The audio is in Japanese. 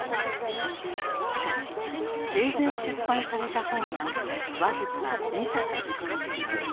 しかし生前出版された本は僅か２冊です。